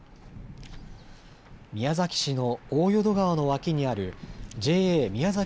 宮崎市の大淀川の脇にあるＪＡ宮崎